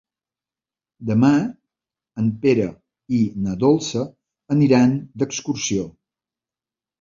Demà en Pere i na Dolça aniran d'excursió.